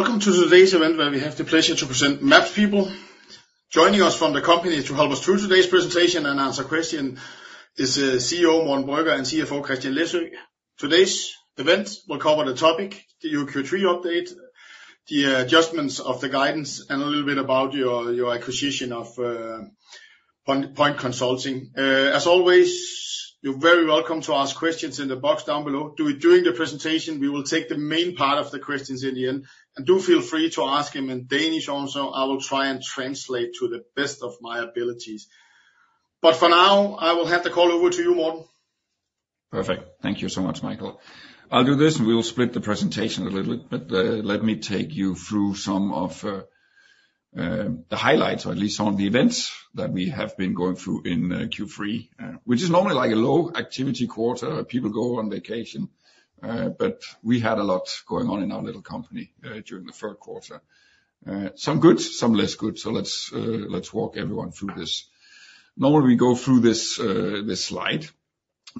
Welcome to today's event where we have the pleasure to present MapsPeople. Joining us from the company to help us through today's presentation and answer questions is CEO Morten Brøgger and CFO Christian Læsø. Today's event will cover the topic, the Q3 update, the adjustments of the guidance, and a little bit about your acquisition of Point Consulting. As always, you're very welcome to ask questions in the box down below. During the presentation, we will take the main part of the questions in the end. Do feel free to ask them in Danish also. I will try and translate to the best of my abilities. For now, I will hand the call over to you, Morten. Perfect. Thank you so much, Michael. I'll do this. We'll split the presentation a little bit. Let me take you through some of the highlights, or at least some of the events that we have been going through in Q3, which is normally like a low-activity quarter. People go on vacation. But we had a lot going on in our little company during the third quarter. Some good, some less good. So let's walk everyone through this. Normally, we go through this slide.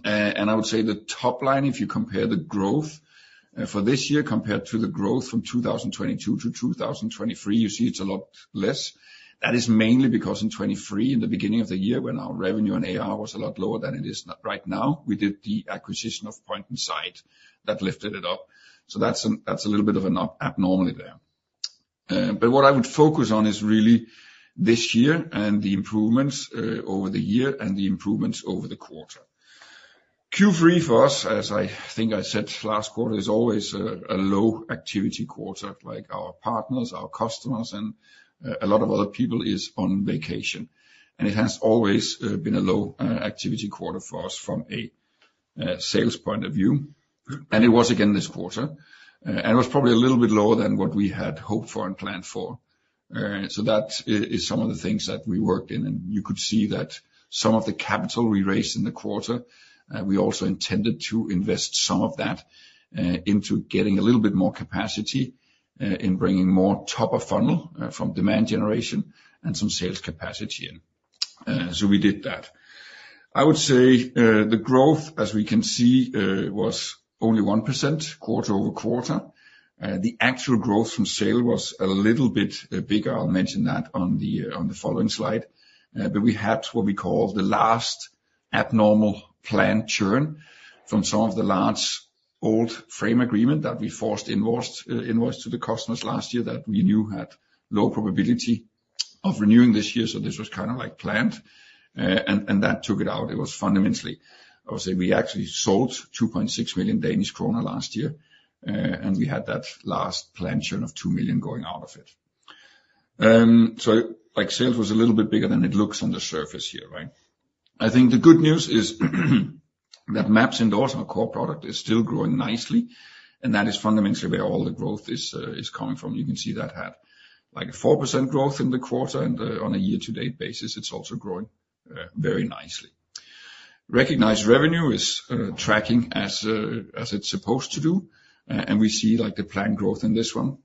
And I would say the top line, if you compare the growth for this year compared to the growth from 2022 to 2023, you see it's a lot less. That is mainly because in 2023, in the beginning of the year, when our revenue on ARR was a lot lower than it is right now, we did the acquisition of Point Insight, that lifted it up. So that's a little bit of an abnormality there. But what I would focus on is really this year and the improvements over the year and the improvements over the quarter. Q3 for us, as I think I said last quarter, is always a low-activity quarter. Like our partners, our customers, and a lot of other people are on vacation. And it has always been a low-activity quarter for us from a sales point of view. And it was again this quarter. And it was probably a little bit lower than what we had hoped for and planned for. So that is some of the things that we worked in. You could see that some of the capital we raised in the quarter. We also intended to invest some of that into getting a little bit more capacity in bringing more top-of-funnel from demand generation and some sales capacity in. We did that. I would say the growth, as we can see, was only 1% quarter over quarter. The actual growth from sale was a little bit bigger. I'll mention that on the following slide. We had what we call the last abnormal planned churn from some of the large old frame agreement that we forced invoice to the customers last year that we knew had low probability of renewing this year. This was kind of like planned. That took it out. It was fundamentally. I would say we actually sold 2.6 million Danish kroner last year. We had that last planned churn of 2 million going out of it. So sales was a little bit bigger than it looks on the surface here, right? I think the good news is that MapsIndoors, our core product, is still growing nicely. And that is fundamentally where all the growth is coming from. You can see that had like a 4% growth in the quarter. And on a year-to-date basis, it's also growing very nicely. Recognized revenue is tracking as it's supposed to do. And we see like the planned growth in this one.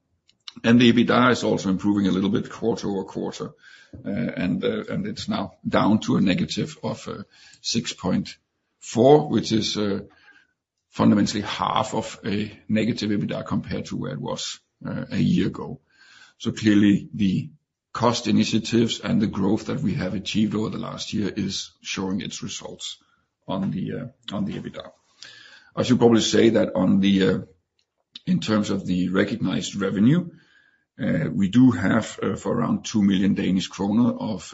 And the EBITDA is also improving a little bit quarter over quarter. And it's now down to a negative of 6.4, which is fundamentally half of a negative EBITDA compared to where it was a year ago. So clearly, the cost initiatives and the growth that we have achieved over the last year is showing its results on the EBITDA. I should probably say that in terms of the recognized revenue, we do have for around 2 million Danish kroner of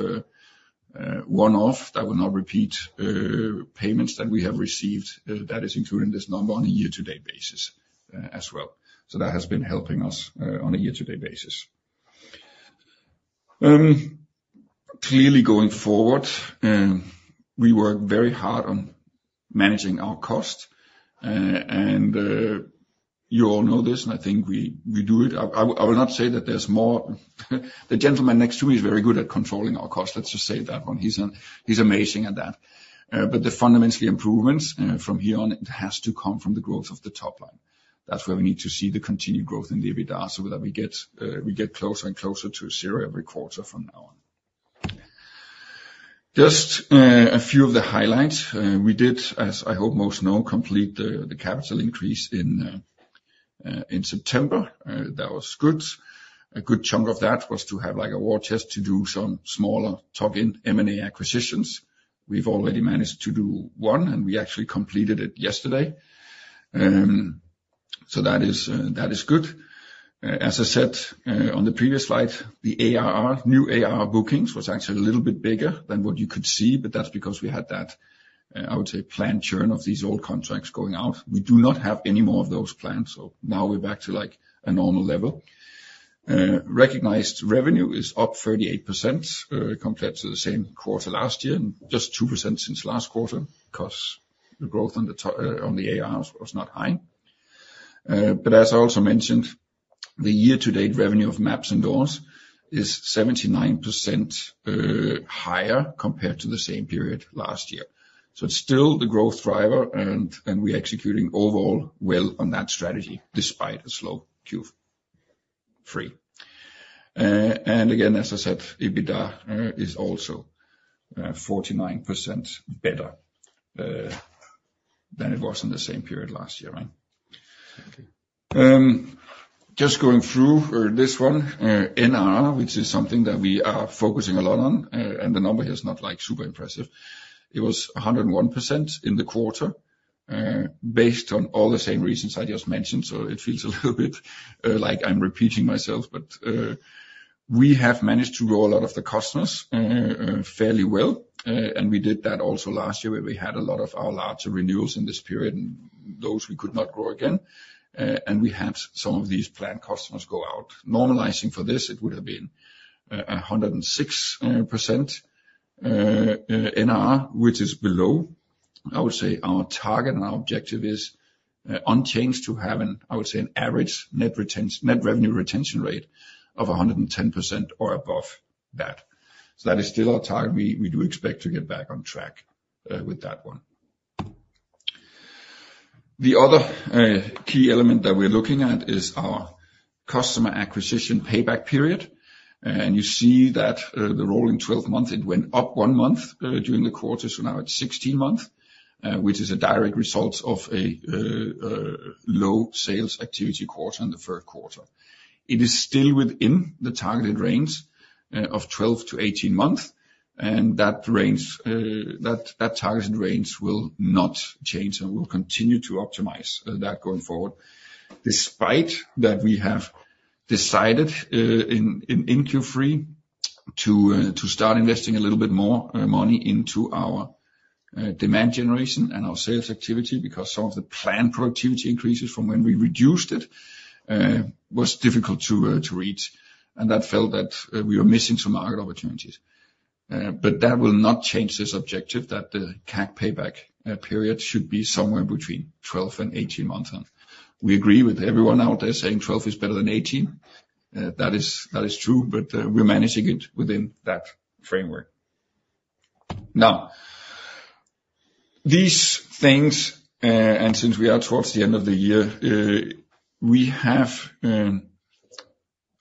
one-off, I will not repeat, payments that we have received. That is included in this number on a year-to-date basis as well. So that has been helping us on a year-to-date basis. Clearly, going forward, we work very hard on managing our cost. And you all know this, and I think we do it. I will not say that there's more. The gentleman next to me is very good at controlling our cost. Let's just say that one. He's amazing at that. But the fundamental improvements from here on, it has to come from the growth of the top line. That's where we need to see the continued growth in the EBITDA so that we get closer and closer to zero every quarter from now on. Just a few of the highlights. We did, as I hope most know, complete the capital increase in September. That was good. A good chunk of that was to have like a war chest to do some smaller tuck-in M&A acquisitions. We've already managed to do one, and we actually completed it yesterday. As I said on the previous slide, the new ARR bookings was actually a little bit bigger than what you could see. But that's because we had that, I would say, planned churn of these old contracts going out. We do not have any more of those plans. So now we're back to like a normal level. Recognized revenue is up 38% compared to the same quarter last year, just 2% since last quarter because the growth on the AR was not high, but as I also mentioned, the year-to-date revenue of MapsIndoors is 79% higher compared to the same period last year, so it's still the growth driver, and we're executing overall well on that strategy despite a slow Q3, and EBITDA is also 49% better than it was in the same period last year, right? Just going through this one, NRR, which is something that we are focusing a lot on, and the number here is not like super impressive. It was 101% in the quarter based on all the same reasons I just mentioned, so it feels a little bit like I'm repeating myself, but we have managed to grow a lot of the customers fairly well. We did that also last year where we had a lot of our larger renewals in this period, and those we could not grow again. We had some of these planned customers go out. Normalizing for this, it would have been 106% NRR, which is below. I would say our target and our objective is unchanged to have, I would say, an average net revenue retention rate of 110% or above that. That is still our target. We do expect to get back on track with that one. The other key element that we're looking at is our customer acquisition payback period. You see that the rolling 12 months, it went up one month during the quarter. Now it's 16 months, which is a direct result of a low sales activity quarter in the Q3. It is still within the targeted range of 12 to 18 months, and that targeted range will not change and will continue to optimize that going forward. Despite that, we have decided in Q3 to start investing a little bit more money into our demand generation and our sales activity because some of the planned productivity increases from when we reduced it was difficult to reach, and that felt that we were missing some market opportunities. But that will not change this objective that the CAC payback period should be somewhere between 12 and 18 months, and we agree with everyone out there saying 12 is better than 18. That is true, but we're managing it within that framework. Now, these things, and since we are towards the end of the year, we have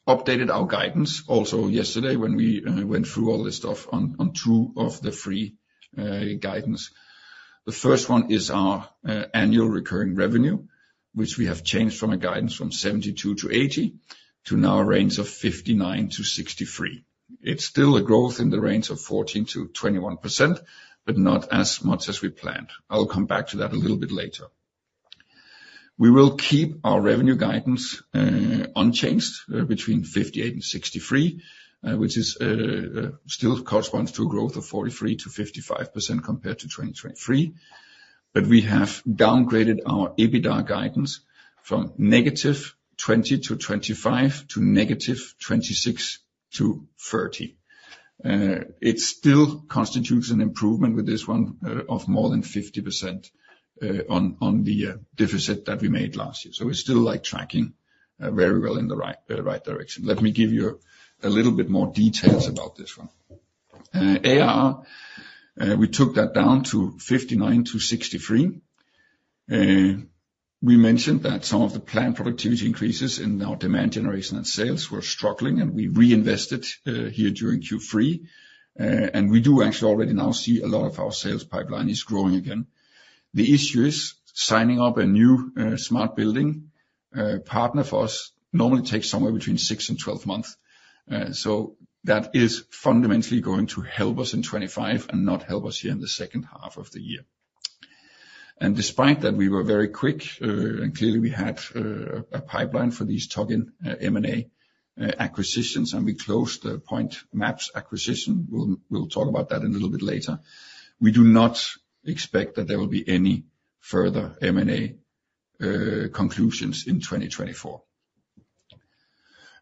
updated our guidance also yesterday when we went through all this stuff on two of the three guidance. The first one is our annual recurring revenue, which we have changed from a guidance from 72-80 to now a range of 59-63. It's still a growth in the range of 14%-21%, but not as much as we planned. I'll come back to that a little bit later. We will keep our revenue guidance unchanged between 58-63, which still corresponds to a growth of 43%-55% compared to 2023. But we have downgraded our EBITDA guidance from negative 20-25 to negative 26-30. It still constitutes an improvement with this one of more than 50% on the deficit that we made last year. So we're still like tracking very well in the right direction. Let me give you a little bit more details about this one. ARR, we took that down to 59-63. We mentioned that some of the planned productivity increases in our demand generation and sales were struggling, and we reinvested here during Q3. And we do actually already now see a lot of our sales pipeline is growing again. The issue is signing up a new smart building partner for us normally takes somewhere between 6 and 12 months. So that is fundamentally going to help us in 2025 and not help us here in the second half of the year. And despite that, we were very quick. And clearly, we had a pipeline for these tuck-in M&A acquisitions, and we closed the Point Maps acquisition. We'll talk about that a little bit later. We do not expect that there will be any further M&A conclusions in 2024.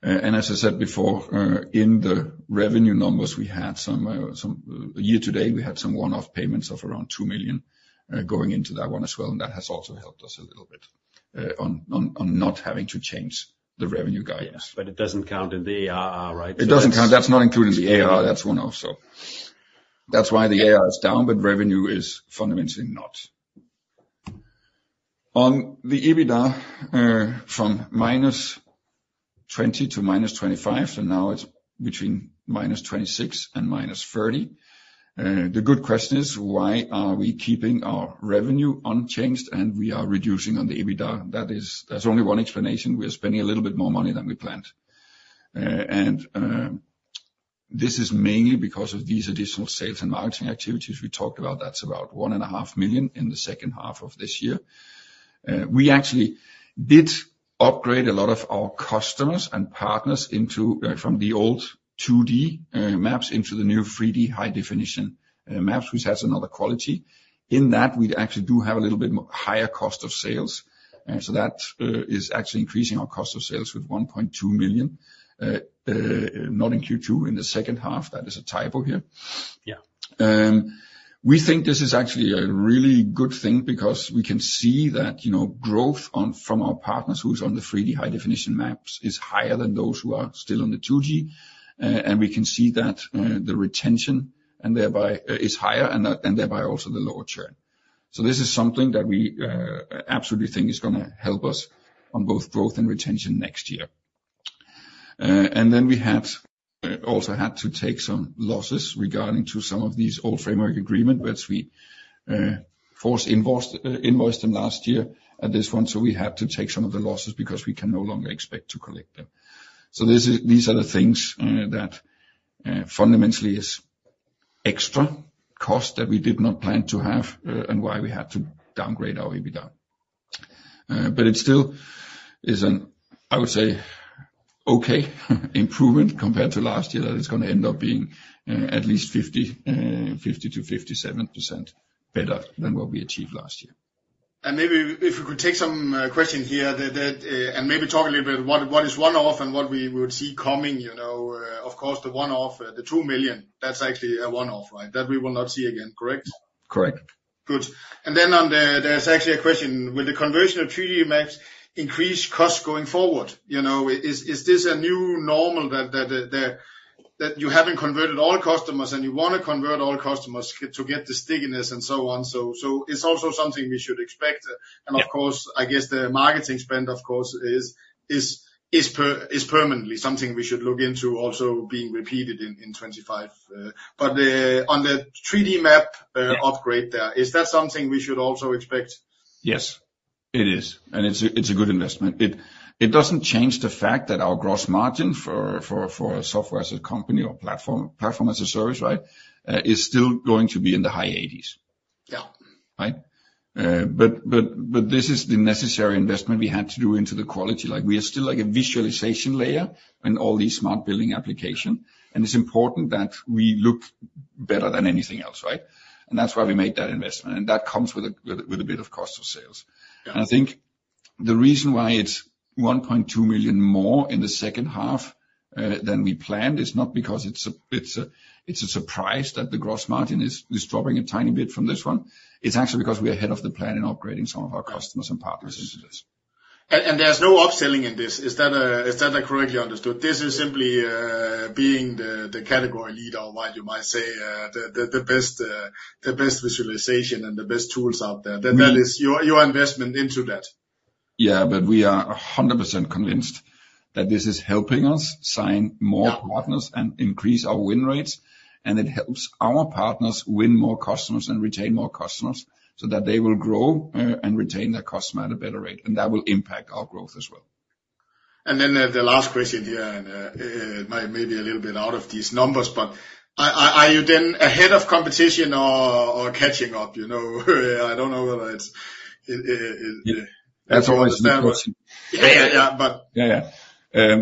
And as I said before, in the revenue numbers, we had some year-to-date, one-off payments of around 2 million going into that one as well. And that has also helped us a little bit on not having to change the revenue guidance. But it doesn't count in the ARR, right? It doesn't count. That's not included in the ARR. That's one-off. So that's why the ARR is down, but revenue is fundamentally not. On the EBITDA from -20 to -25, so now it's between -26 and -30. The good question is, why are we keeping our revenue unchanged and we are reducing on the EBITDA? There's only one explanation. We are spending a little bit more money than we planned, and this is mainly because of these additional sales and marketing activities we talked about. That's about 1.5 million in the second half of this year. We actually did upgrade a lot of our customers and partners from the old 2D maps into the new 3D high-definition maps, which has another quality. In that, we actually do have a little bit higher cost of sales. That is actually increasing our cost of sales with 1.2 million, not in Q2, in the second half. That is a typo here. Yeah. We think this is actually a really good thing because we can see that growth from our partners who are on the 3D high-definition maps is higher than those who are still on the 2D, and we can see that the retention and thereby is higher and thereby also the lower churn, so this is something that we absolutely think is going to help us on both growth and retention next year, and then we also had to take some losses regarding to some of these old framework agreements, which we forced invoice them last year at this one, so we had to take some of the losses because we can no longer expect to collect them, so these are the things that fundamentally is extra cost that we did not plan to have and why we had to downgrade our EBITDA. But it still is, I would say, okay improvement compared to last year that it's going to end up being at least 50%-57% better than what we achieved last year. Maybe if we could take some question here and maybe talk a little bit about what is one-off and what we would see coming. Of course, the one-off, the 2 million, that's actually a one-off, right? That we will not see again, correct? Correct. Good. And then there's actually a question. Will the conversion of 2D maps increase costs going forward? Is this a new normal that you haven't converted all customers and you want to convert all customers to get the stickiness and so on? So it's also something we should expect. And of course, I guess the marketing spend, of course, is permanently something we should look into also being repeated in 2025. But on the 3D map upgrade there, is that something we should also expect? Yes, it is. And it's a good investment. It doesn't change the fact that our gross margin for a software as a company or platform as a service, right, is still going to be in the high 80s. Yeah. Right? But this is the necessary investment we had to do into the quality. We are still like a visualization layer in all these smart building applications. And it's important that we look better than anything else, right? And that's why we made that investment. And that comes with a bit of cost of sales. And I think the reason why it's 1.2 million more in the second half than we planned is not because it's a surprise that the gross margin is dropping a tiny bit from this one. It's actually because we are ahead of the plan in upgrading some of our customers and partners into this. There's no upselling in this. Is that correctly understood? This is simply being the category leader or what you might say, the best visualization and the best tools out there. That is your investment into that. Yeah, but we are 100% convinced that this is helping us sign more partners and increase our win rates. And it helps our partners win more customers and retain more customers so that they will grow and retain their customers at a better rate. And that will impact our growth as well. And then the last question here, maybe a little bit out of these numbers, but are you then ahead of competition or catching up? I don't know whether it's. That's always never. Yeah, yeah.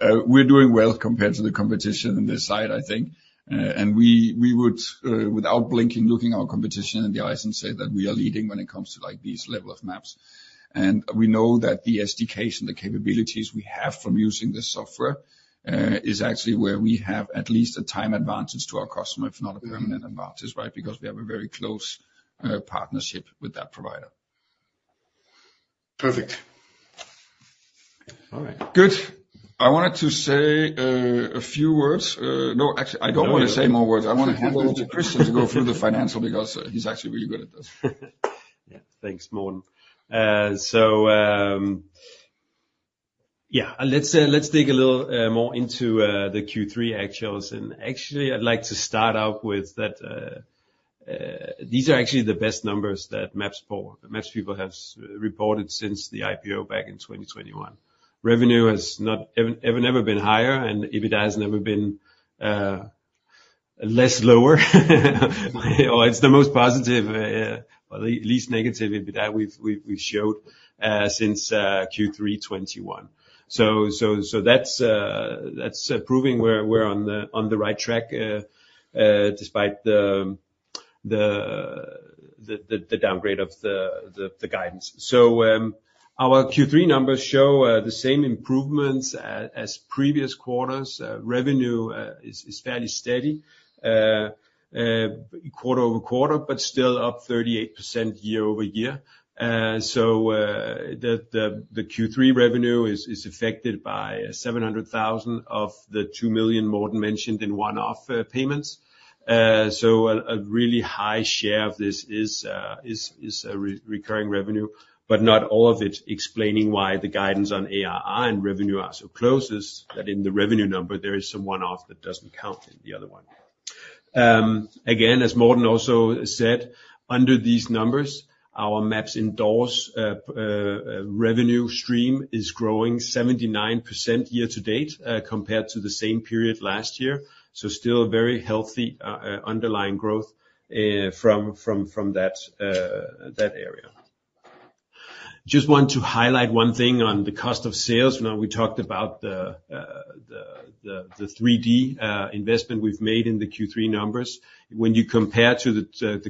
We're doing well compared to the competition on this side, I think. And we would, without blinking, look in our competition in the eyes and say that we are leading when it comes to like these level of maps. And we know that the SDKs and the capabilities we have from using the software is actually where we have at least a time advantage to our customer, if not a permanent advantage, right? Because we have a very close partnership with that provider. Perfect. All right. Good. I wanted to say a few words. No, actually, I don't want to say more words. I want to hand it over to Christian to go through the financial because he's actually really good at this. Yeah, thanks, Morten. So yeah, let's dig a little more into the Q3 actuals. And actually, I'd like to start out with that these are actually the best numbers that MapsPeople has reported since the IPO back in 2021. Revenue has not ever been higher, and EBITDA has never been less lower. It's the most positive, least negative EBITDA we've showed since Q3 2021. So that's proving we're on the right track despite the downgrade of the guidance. So our Q3 numbers show the same improvements as previous quarters. Revenue is fairly steady quarter over quarter, but still up 38% year over year. So the Q3 revenue is affected by 700,000 of the 2 million Morten mentioned in one-off payments. A really high share of this is recurring revenue, but not all of it. Explaining why the guidance on ARR and revenue are so close is that in the revenue number, there is some one-off that doesn't count in the other one. Again, as Morten also said, under these numbers, our MapsIndoors revenue stream is growing 79% year-to-date compared to the same period last year. Still a very healthy underlying growth from that area. Just want to highlight one thing on the cost of sales. We talked about the 3D investment we've made in the Q3 numbers. When you compare to the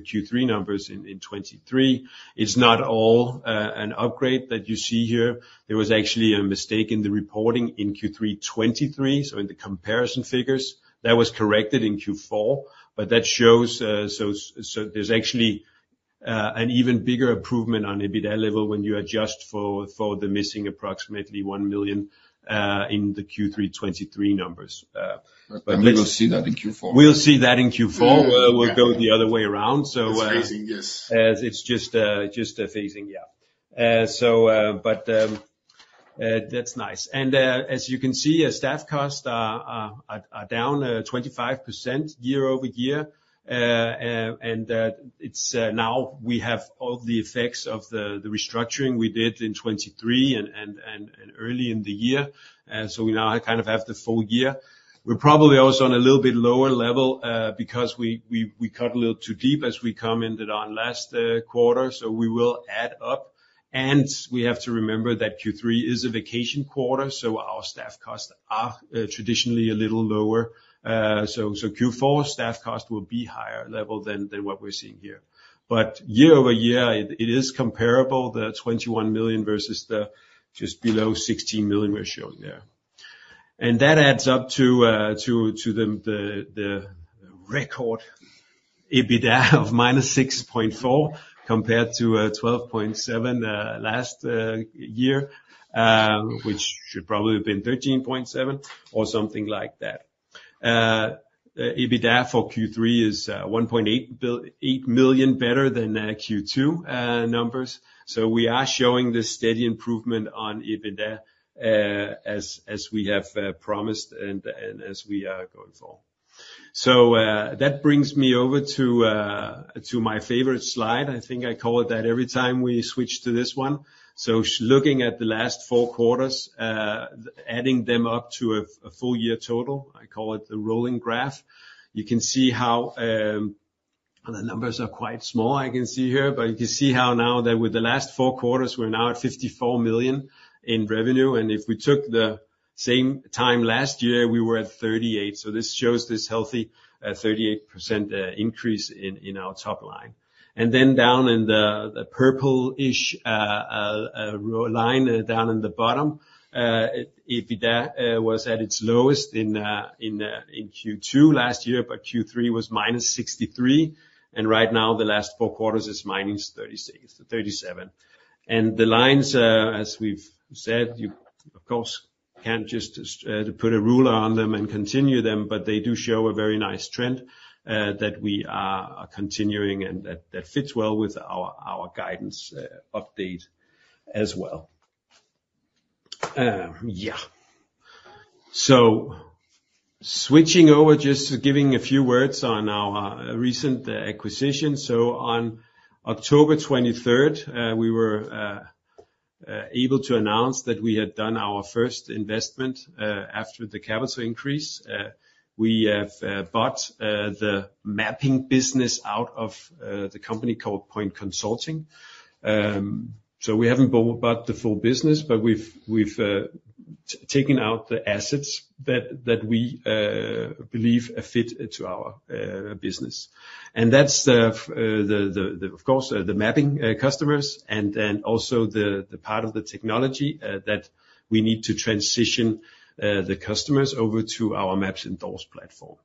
Q3 numbers in 2023, it's not all an upgrade that you see here. There was actually a mistake in the reporting in Q3 2023, so in the comparison figures. That was corrected in Q4, but that shows there's actually an even bigger improvement on EBITDA level when you adjust for the missing approximately 1 million in the Q3 2023 numbers. But we will see that in Q4. We'll see that in Q4. We'll go the other way around. It's phasing, yes. It's just a phasing, yeah. But that's nice. And as you can see, staff costs are down 25% year over year. And now we have all the effects of the restructuring we did in 2023 and early in the year. So we now kind of have the full year. We're probably also on a little bit lower level because we cut a little too deep as we commented on last quarter. So we will add up. And we have to remember that Q3 is a vacation quarter, so our staff costs are traditionally a little lower. So Q4 staff costs will be higher level than what we're seeing here. But year over year, it is comparable, the 21 million versus the just below 16 million we're showing there. That adds up to the record EBITDA of -6.4 compared to 12.7 last year, which should probably have been 13.7 or something like that. EBITDA for Q3 is 1.8 million better than Q2 numbers. So we are showing the steady improvement on EBITDA as we have promised and as we are going forward. So that brings me over to my favorite slide. I think I call it that every time we switch to this one. So looking at the last four quarters, adding them up to a full year total, I call it the rolling graph. You can see how the numbers are quite small, I can see here, but you can see how now that with the last four quarters, we're now at 54 million in revenue. And if we took the same time last year, we were at 38 million. So this shows this healthy 38% increase in our top line. And then down in the purple-ish line down in the bottom, EBITDA was at its lowest in Q2 last year, but Q3 was minus 63. And right now, the last four quarters is minus 37. And the lines, as we've said, you of course can't just put a ruler on them and continue them, but they do show a very nice trend that we are continuing and that fits well with our guidance update as well. Yeah. So switching over, just giving a few words on our recent acquisition. So on October 23rd, we were able to announce that we had done our first investment after the capital increase. We have bought the mapping business out of the company called Point Consulting. So we haven't bought the full business, but we've taken out the assets that we believe fit to our business. And that's, of course, the mapping customers and then also the part of the technology that we need to transition the customers over to our MapsIndoors platform.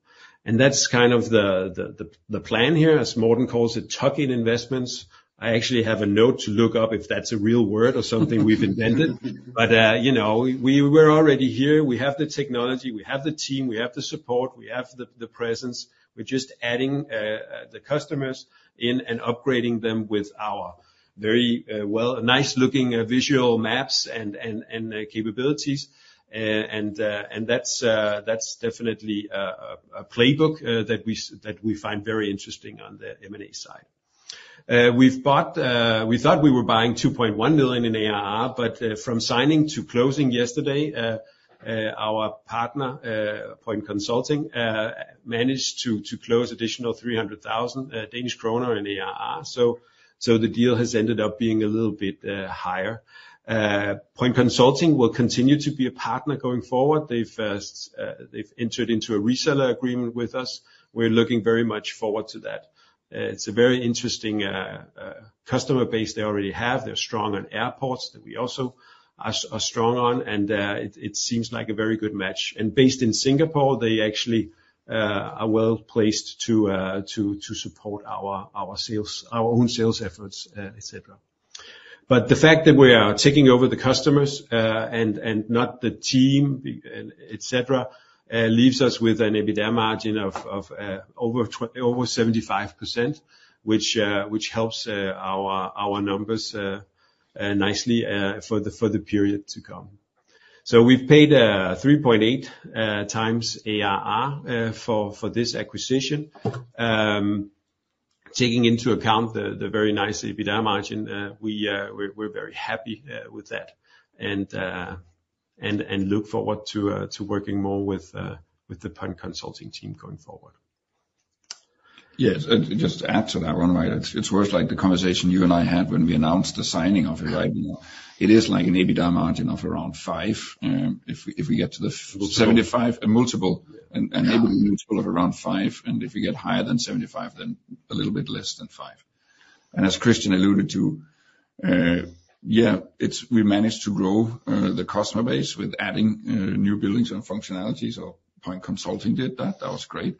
And that's kind of the plan here, as Morten calls it, tuck-in investments. I actually have a note to look up if that's a real word or something we've invented. But we're already here. We have the technology. We have the team. We have the support. We have the presence. We're just adding the customers in and upgrading them with our very nice-looking visual maps and capabilities. And that's definitely a playbook that we find very interesting on the M&A side. We thought we were buying 2.1 million in ARR, but from signing to closing yesterday, our partner, Point Consulting, managed to close an additional 300,000 Danish kroner in ARR. So the deal has ended up being a little bit higher. Point Consulting will continue to be a partner going forward. They've entered into a reseller agreement with us. We're looking very much forward to that. It's a very interesting customer base they already have. They're strong on airports that we also are strong on. And it seems like a very good match. And based in Singapore, they actually are well placed to support our own sales efforts, etc. But the fact that we are taking over the customers and not the team, etc., leaves us with an EBITDA margin of over 75%, which helps our numbers nicely for the period to come. We've paid 3.8 times ARR for this acquisition. Taking into account the very nice EBITDA margin, we're very happy with that and look forward to working more with the Point Consulting team going forward. Yes. Just to add to that, Ron, it's worth the conversation you and I had when we announced the signing of it, right? It is like an EBITDA margin of around 5 if we get to the 75, a multiple of around 5. And if we get higher than 75, then a little bit less than 5. And as Christian alluded to, yeah, we managed to grow the customer base with adding new buildings and functionalities. So Point Consulting did that. That was great.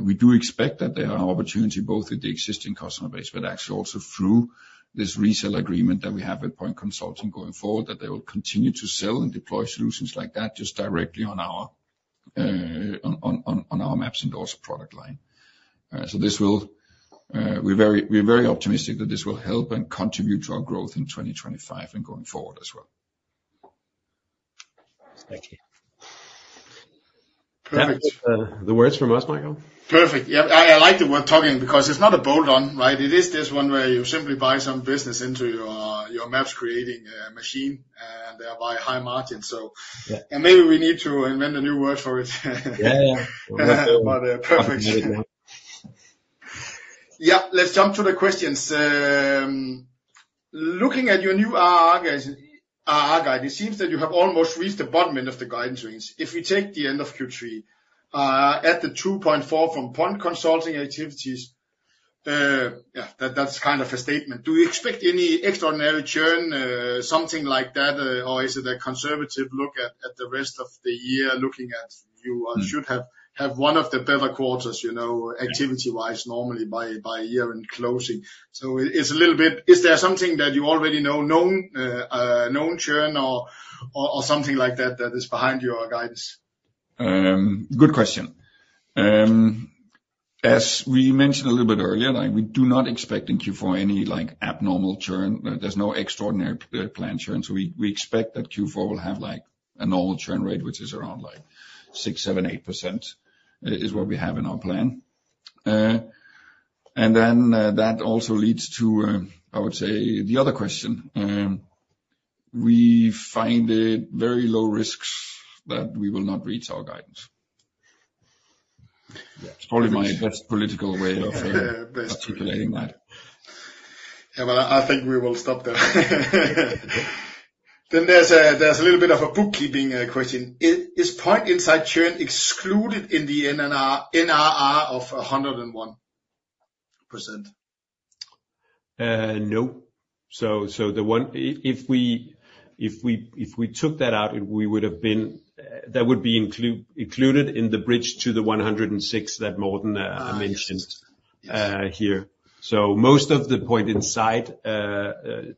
We do expect that there are opportunities both with the existing customer base, but actually also through this reseller agreement that we have with Point Inside Consulting going forward, that they will continue to sell and deploy solutions like that just directly on our MapsIndoors product line. So we're very optimistic that this will help and contribute to our growth in 2025 and going forward as well. Perfect. The words from us, Michael? Perfect. Yeah, I like the word tuck-in because it's not a bolt-on, right? It is this one where you simply buy some business into your maps creating machine and thereby high margin. So maybe we need to invent a new word for it. Yeah, yeah. But perfect. Yeah, let's jump to the questions. Looking at your new NRR guidance, it seems that you have almost reached the bottom end of the guidance range. If we take the end of Q3 at the 2.4 from Point Consulting activities, yeah, that's kind of a statement. Do you expect any extraordinary churn, something like that, or is it a conservative look at the rest of the year looking at you should have one of the better quarters activity-wise normally by year-end closing? So it's a little bit. Is there something that you already know, known churn or something like that that is behind your guidance? Good question. As we mentioned a little bit earlier, we do not expect in Q4 any abnormal churn. There's no extraordinary planned churn. So we expect that Q4 will have a normal churn rate, which is around six, seven, eight% is what we have in our plan. And then that also leads to, I would say, the other question. We find it very low risk that we will not reach our guidance. It's probably my best political way of articulating that. Yeah, well, I think we will stop there. Then there's a little bit of a bookkeeping question. Is Point Insight churn excluded in the NRR of 101%? No. So if we took that out, that would be included in the bridge to the 106 that Morten mentioned here. So most of the Point Insight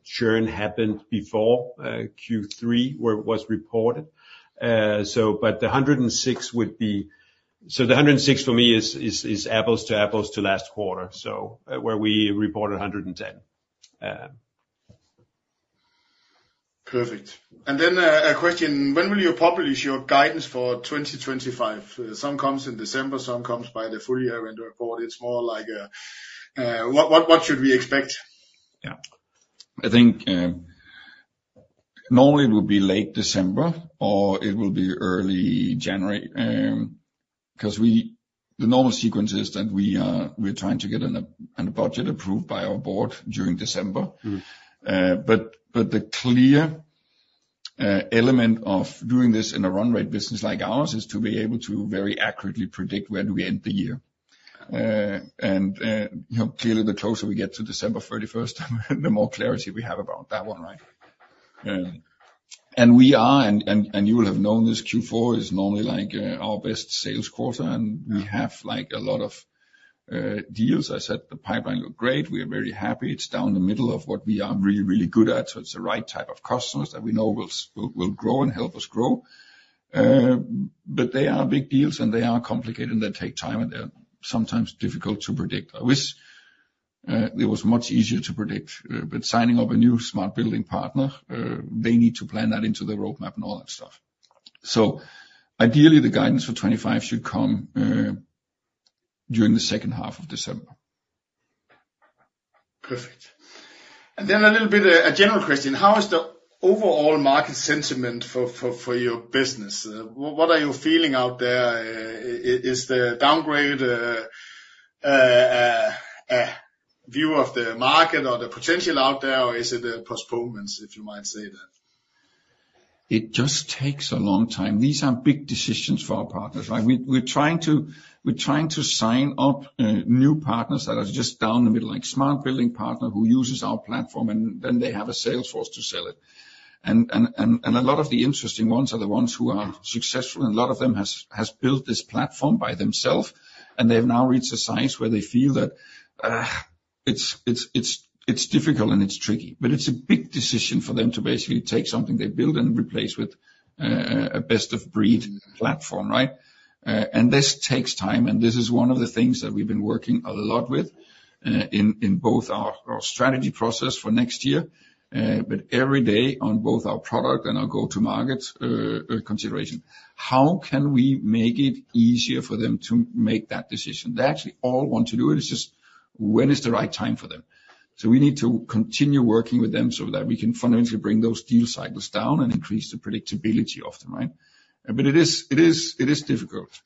churn happened before Q3 was reported. But the 106 for me is apples to apples to last quarter, so where we reported 110. Perfect. And then a question. When will you publish your guidance for 2025? Some comes in December, some comes by the full year-end report. It's more like what should we expect? Yeah. I think normally it would be late December or it will be early January because the normal sequence is that we're trying to get a budget approved by our board during December. But the clear element of doing this in a run rate business like ours is to be able to very accurately predict where do we end the year? And clearly, the closer we get to December 31st, the more clarity we have about that one, right? And you will have known this Q4 is normally our best sales quarter, and we have a lot of deals. I said the pipeline looked great. We are very happy. It's down the middle of what we are really, really good at. So it's the right type of customers that we know will grow and help us grow. But they are big deals, and they are complicated, and they take time, and they're sometimes difficult to predict. I wish it was much easier to predict, but signing up a new smart building partner, they need to plan that into the roadmap and all that stuff. So ideally, the guidance for 2025 should come during the second half of December. Perfect. And then a little bit of a general question. How is the overall market sentiment for your business? What are you feeling out there? Is the downgrade a view of the market or the potential out there, or is it a postponement, if you might say that? It just takes a long time. These are big decisions for our partners. We're trying to sign up new partners that are just down the middle, like smart building partner who uses our platform, and then they have a sales force to sell it. And a lot of the interesting ones are the ones who are successful, and a lot of them have built this platform by themselves, and they've now reached a size where they feel that it's difficult and it's tricky. But it's a big decision for them to basically take something they built and replace with a best-of-breed platform, right? And this takes time, and this is one of the things that we've been working a lot with in both our strategy process for next year, but every day on both our product and our go-to-market consideration. How can we make it easier for them to make that decision? They actually all want to do it. It's just when is the right time for them? So we need to continue working with them so that we can fundamentally bring those deal cycles down and increase the predictability of them, right? But it is difficult.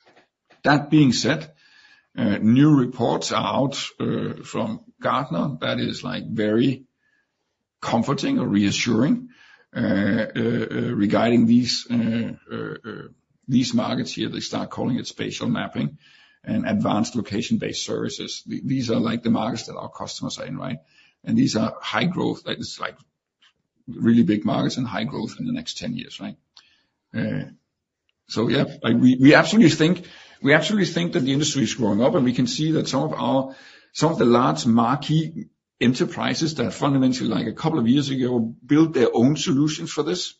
That being said, new reports are out from Gartner. That is very comforting or reassuring regarding these markets here. They start calling it spatial mapping and advanced location-based services. These are the markets that our customers are in, right? And these are high growth. It's really big markets and high growth in the next 10 years, right? So yeah, we absolutely think that the industry is growing up, and we can see that some of the large marquee enterprises that fundamentally, like a couple of years ago, built their own solutions for this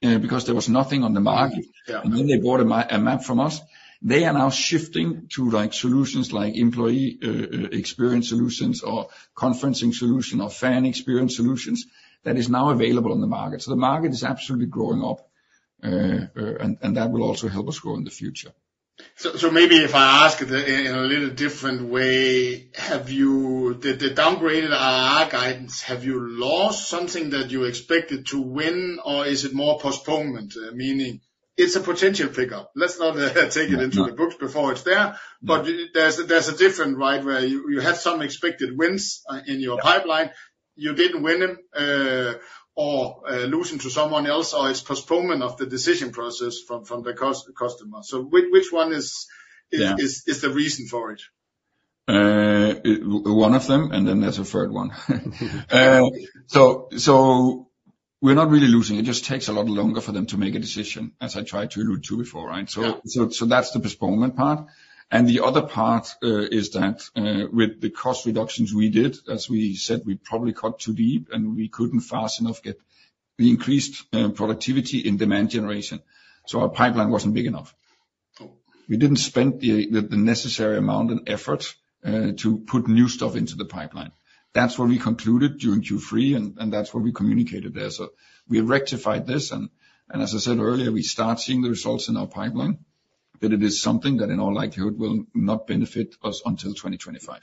because there was nothing on the market, and then they bought a map from us. They are now shifting to solutions like employee experience solutions or conferencing solutions or fan experience solutions that is now available on the market. So the market is absolutely growing up, and that will also help us grow in the future. So maybe if I ask in a little different way, the downgraded NRR guidance, have you lost something that you expected to win, or is it more postponement, meaning it's a potential pickup? Let's not take it into the books before it's there, but there's a difference, right, where you have some expected wins in your pipeline. You didn't win them or lose them to someone else, or it's postponement of the decision process from the customer. So which one is the reason for it? One of them, and then there's a third one. So we're not really losing. It just takes a lot longer for them to make a decision, as I tried to allude to before, right? So that's the postponement part. And the other part is that with the cost reductions we did, as we said, we probably cut too deep, and we couldn't fast enough get the increased productivity in demand generation. So our pipeline wasn't big enough. We didn't spend the necessary amount of effort to put new stuff into the pipeline. That's what we concluded during Q3, and that's what we communicated there. So we rectified this, and as I said earlier, we start seeing the results in our pipeline, but it is something that in all likelihood will not benefit us until 2025.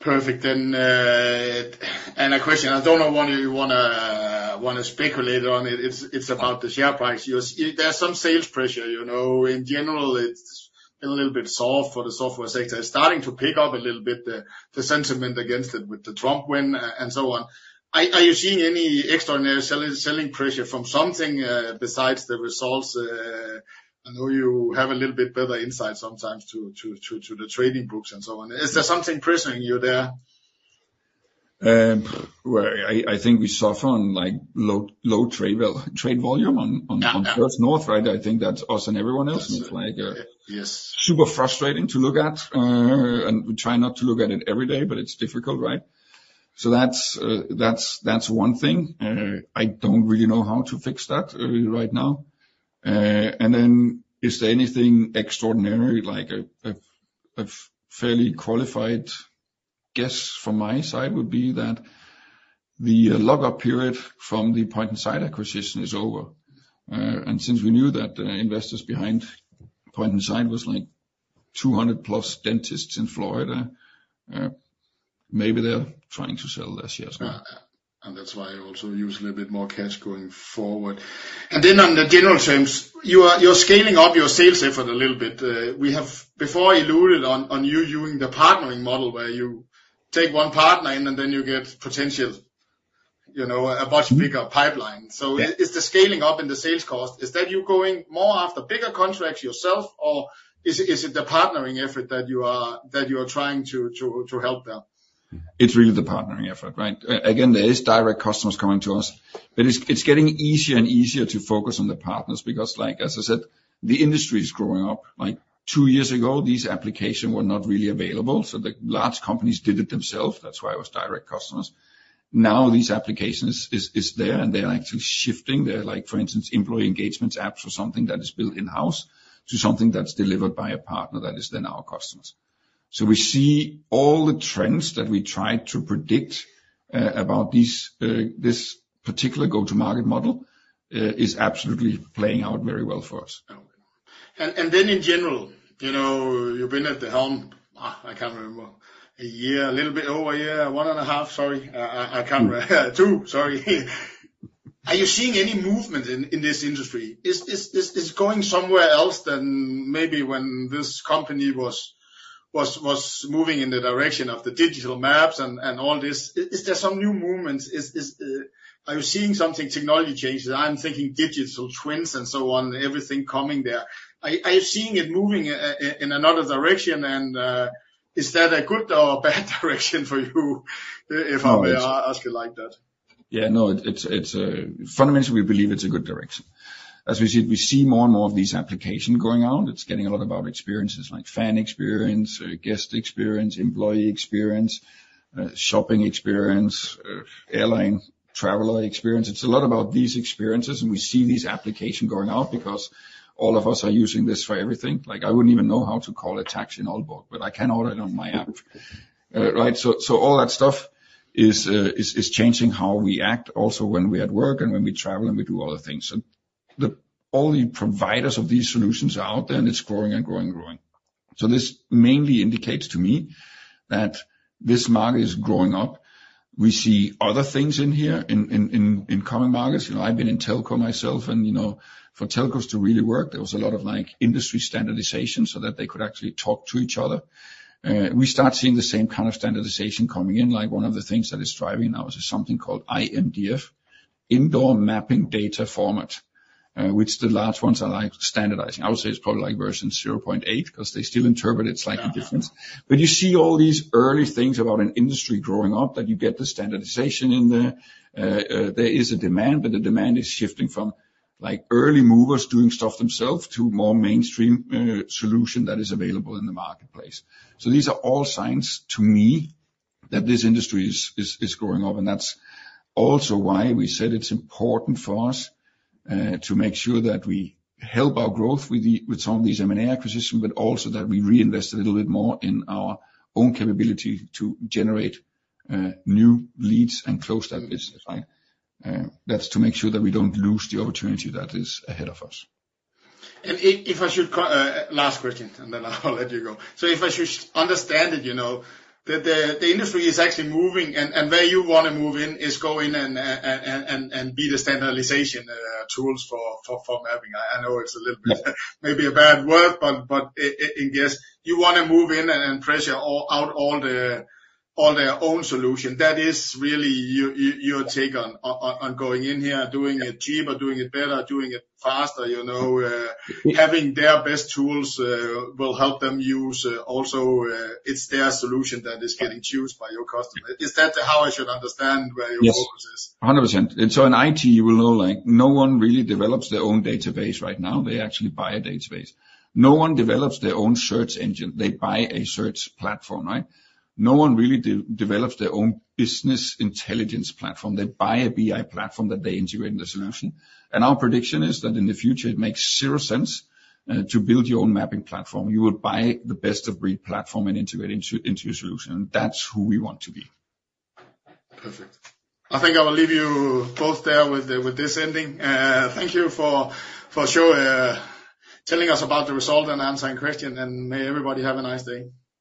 Perfect, and a question. I don't know what you want to speculate on. It's about the share price. There's some sales pressure. In general, it's been a little bit soft for the software sector. It's starting to pick up a little bit the sentiment against it with the Trump win and so on. Are you seeing any extraordinary selling pressure from something besides the results? I know you have a little bit better insight sometimes to the trading books and so on. Is there something pressuring you there? I think we suffer on low trade volume on First North, right? I think that's us and everyone else. It's super frustrating to look at, and we try not to look at it every day, but it's difficult, right? That's one thing. I don't really know how to fix that right now. Is there anything extraordinary, like a fairly qualified guess from my side would be that the lock-up period from the Point Insight acquisition is over. Since we knew that the investors behind Point Insight was like 200-plus dentists in Florida, maybe they're trying to sell their shares now. And that's why also usually a bit more cash going forward. And then on the general terms, you're scaling up your sales effort a little bit. We have before alluded on you using the partnering model where you take one partner in, and then you get potential, a much bigger pipeline. So is the scaling up in the sales cost, is that you going more after bigger contracts yourself, or is it the partnering effort that you are trying to help them? It's really the partnering effort, right? Again, there are direct customers coming to us, but it's getting easier and easier to focus on the partners because, like I said, the industry is growing up. Two years ago, these applications were not really available, so the large companies did it themselves. That's why I was direct customers. Now these applications are there, and they're actually shifting. They're like, for instance, employee engagements apps or something that is built in-house to something that's delivered by a partner that is then our customers. So we see all the trends that we tried to predict about this particular go-to-market model is absolutely playing out very well for us. And then, in general, you've been at the helm. I can't remember, a year, a little bit over a year, one and a half, sorry. I can't remember, two, sorry. Are you seeing any movement in this industry? Is it going somewhere else than maybe when this company was moving in the direction of the digital maps and all this? Is there some new movement? Are you seeing something technology changes? I'm thinking digital twins and so on, everything coming there. Are you seeing it moving in another direction, and is that a good or bad direction for you if I may ask you like that? Yeah, no, fundamentally, we believe it's a good direction. As we said, we see more and more of these applications going out. It's getting a lot about experiences like fan experience, guest experience, employee experience, shopping experience, airline traveler experience. It's a lot about these experiences, and we see these applications going out because all of us are using this for everything. I wouldn't even know how to call a taxi in Aalborg, but I can order it on my app, right? So all that stuff is changing how we act also when we're at work and when we travel and we do other things. So all the providers of these solutions are out there, and it's growing and growing and growing. So this mainly indicates to me that this market is growing up. We see other things in here in Gartner markets. I've been in telco myself, and for telcos to really work, there was a lot of industry standardization so that they could actually talk to each other. We start seeing the same kind of standardization coming in. One of the things that is driving now is something called IMDF, Indoor Mapping Data Format, which the large ones are standardizing. I would say it's probably like version 0.8 because they still interpret it slightly different. But you see all these early things about an industry growing up that you get the standardization in there. There is a demand, but the demand is shifting from early movers doing stuff themselves to more mainstream solutions that are available in the marketplace. So these are all signs to me that this industry is growing up, and that's also why we said it's important for us to make sure that we help our growth with some of these M&A acquisitions, but also that we reinvest a little bit more in our own capability to generate new leads and close that business, right? That's to make sure that we don't lose the opportunity that is ahead of us. And if I should, last question, and then I'll let you go. So if I should understand it, the industry is actually moving, and where you want to move in is go in and be the standardization tools for mapping. I know it's a little bit maybe a bad word, but in case you want to move in and pressure out all their own solutions, that is really your take on going in here, doing it cheaper, doing it better, doing it faster, having their best tools will help them use also it's their solution that is getting used by your customers. Is that how I should understand where your focus is? 100%. And so in IT, you will know no one really develops their own database right now. They actually buy a database. No one develops their own search engine. They buy a search platform, right? No one really develops their own business intelligence platform. They buy a BI platform that they integrate in the solution. And our prediction is that in the future, it makes zero sense to build your own mapping platform. You will buy the best-of-breed platform and integrate it into your solution, and that's who we want to be. Perfect. I think I will leave you both there with this ending. Thank you for sure telling us about the result and answering questions, and may everybody have a nice day.